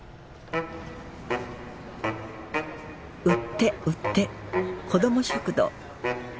売って売って子供食堂！